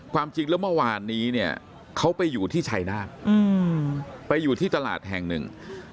ความจริงแล้วเมื่อวานนี้เนี่ยเขาไปอยู่ที่ชัยนาธไปอยู่ที่ตลาดแห่งหนึ่ง